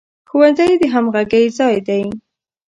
ښوونځی د همغږۍ ځای دی